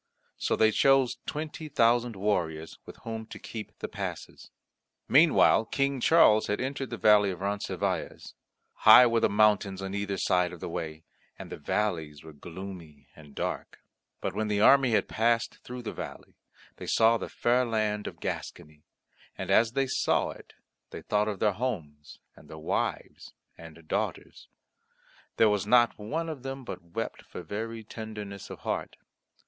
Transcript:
So they chose twenty thousand warriors with whom to keep the passes. Meanwhile King Charles had entered the valley of Roncesvalles. High were the mountains on either side of the way, and the valleys were gloomy and dark. But when the army had passed through the valley, they saw the fair land of Gascony, and as they saw it they thought of their homes and their wives and daughters. There was not one of them but wept for very tenderness of heart.